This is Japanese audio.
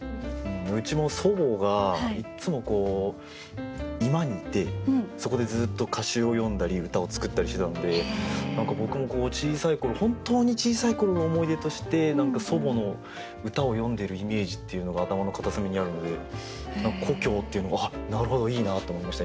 うちも祖母がいっつも居間にいてそこでずっと歌集を読んだり歌を作ったりしてたので何か僕も小さい頃本当に小さい頃の思い出として何か祖母の歌をよんでるイメージっていうのが頭の片隅にあるので何か「故郷」っていうのが「なるほどいいな」と思いました